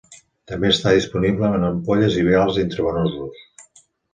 També està disponible en ampolles i vials intravenosos.